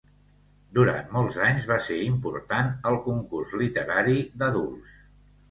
Durant molts anys va ser important el Concurs literari d'adults.